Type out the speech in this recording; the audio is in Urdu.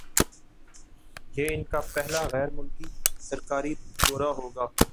یہ ان کا پہلا غیرملکی سرکاری دورہ ہوگا